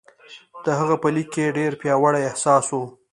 د هغه په لیک کې ډېر پیاوړی احساس و